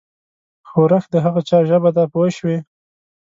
ښورښ د هغه چا ژبه ده پوه شوې!.